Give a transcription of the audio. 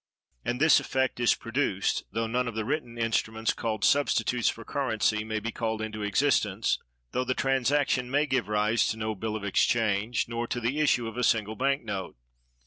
And this effect is produced, though none of the written instruments called substitutes for currency may be called into existence; though the transaction may give rise to no bill of exchange, nor to the issue of a single bank note.